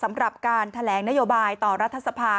สำหรับการแถลงนโยบายต่อรัฐสภา